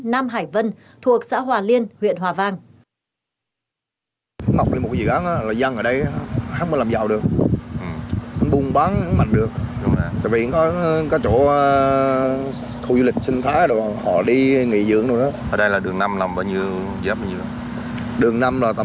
nam hải vân thuộc xã hòa liên huyện hòa vang